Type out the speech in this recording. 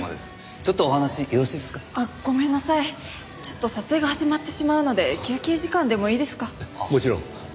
ちょっと撮影が始まってしまうので休憩時間でもいいですか？